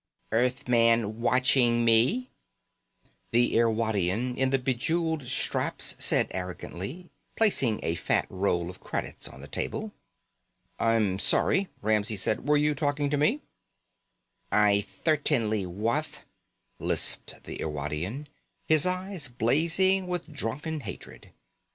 "... Earthman watching me," the Irwadian in the be jeweled straps said arrogantly, placing a fat roll of credits on the table. "I'm sorry," Ramsey said. "Were you talking to me?" "I thertainly wath," lisped the Irwadian, his eyes blazing with drunken hatred.